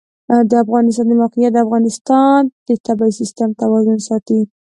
د افغانستان د موقعیت د افغانستان د طبعي سیسټم توازن ساتي.